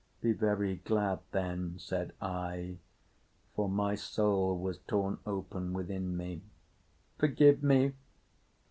"Be very glad then," said I, for my soul was torn open within me. "Forgive me!"